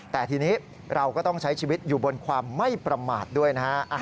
แต่ทีนี้เราก็ต้องใช้ชีวิตอยู่บนความไม่ประมาทด้วยนะฮะ